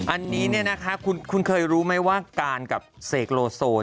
อันนี้เนี่ยนะคะคุณเคยรู้ไหมว่าการกับเสกโลโซ